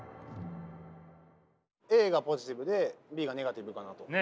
ＡがポジティブでＢがネガティブかなと。